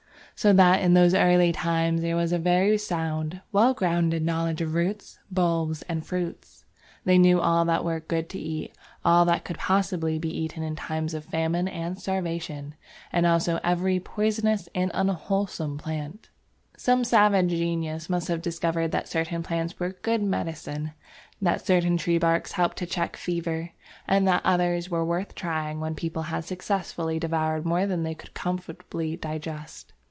So that in those early times there was a very sound, well grounded knowledge of roots, bulbs, and fruits. They knew all that were good to eat, all that could possibly be eaten in time of famine and starvation, and also every poisonous and unwholesome plant. Some savage genius must have discovered that certain plants were "good medicine"; that certain tree barks helped to check fever, and that others were worth trying when people had successfully devoured more than they could comfortably digest.